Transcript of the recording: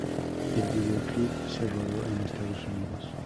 El videoclip se rodó en Estados Unidos.